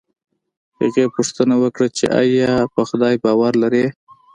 هغې پوښتنه وکړه چې ایا په خدای باور لرې